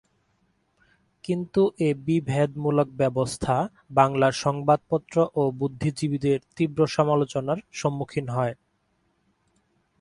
কিন্তু এ বিভেদমূলক ব্যবস্থা বাংলার সংবাদপত্র ও বুদ্ধিজীবীদের তীব্র সমালোচনার সম্মুখীন হয়।